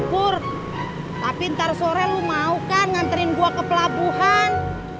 bur tapi ntar sore lu mau kan nganterin gua ke pelabuhan